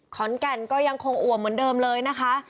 ขอนแก่นก็ยังคงอ่วมเหมือนเดิมเลยนะคะ